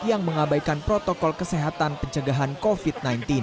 yang mengabaikan protokol kesehatan pencegahan covid sembilan belas